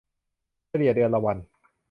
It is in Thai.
เฉลี่ยเดือนละวัน